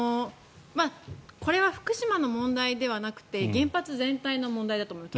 これは福島の問題ではなくて原発全体の問題だと思います。